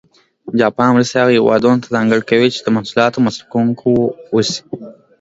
جاپان مرستې هغه هېوادونه ته ځانګړې کوي چې د محصولاتو مصرف کوونکي و اوسي.